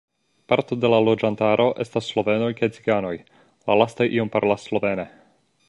Parto de la loĝantaro estas slovenoj kaj ciganoj, la lastaj iom parolas slovene.